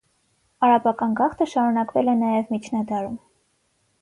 Արաբական գաղթը շարունակվել է նաև միջնադարում։